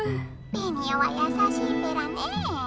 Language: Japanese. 「ベニオはやさしいペラねえ」。